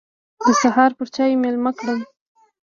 د سهار پر چايو مېلمه کړم.